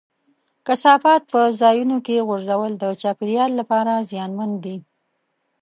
کثافات په ځایونو کې غورځول د چاپېریال لپاره زیانمن دي.